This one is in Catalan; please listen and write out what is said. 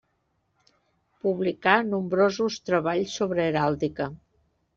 Publicà nombrosos treballs sobre heràldica.